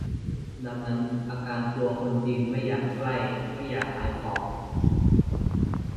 ดังนั้น อาการกลัวคนจีน ไม่อยากใกล้ ไม่อยากขายของ